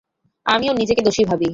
আমিও নিজেকে দোষী ভাবি।